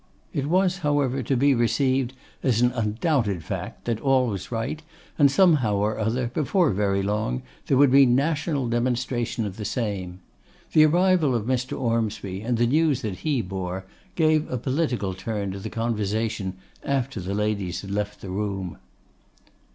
It was, however, to be received as an undoubted fact, that all was right, and somehow or other, before very long, there would be national demonstration of the same. This arrival of Mr. Ormsby, and the news that he bore, gave a political turn to the conversation after the ladies had left the room.